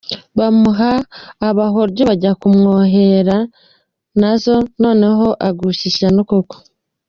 Bamuha Abahoryo bajya kumwoherana na zo, noneho agusha ishyano koko.